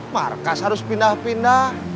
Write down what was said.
markas harus pindah pindah